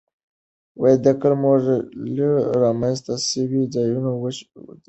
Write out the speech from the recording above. د قلمرو رامنځ ته سوي ځایونه وچه مځکه، غرونه، سیندونه، فضاء او سمندرونه دي.